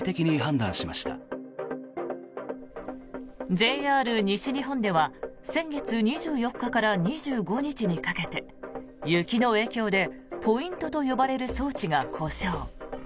ＪＲ西日本では先月２４日から２５日にかけて雪の影響でポイントと呼ばれる装置が故障。